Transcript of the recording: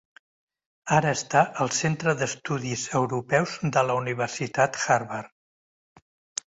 Ara està al Centre d'Estudis Europeus de la Universitat Harvard.